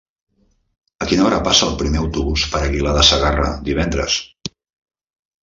A quina hora passa el primer autobús per Aguilar de Segarra divendres?